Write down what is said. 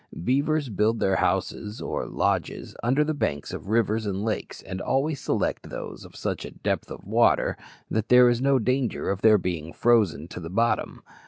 Beavers build their houses, or "lodges," under the banks of rivers and lakes, and always select those of such depth of water that there is no danger of their being frozen to the bottom.